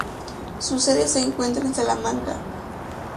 Su sede se encuentra en Salamanca.